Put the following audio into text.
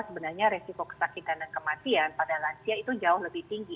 sebenarnya resiko kesakitan dan kematian pada lansia itu jauh lebih tinggi